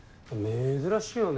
・珍しいよね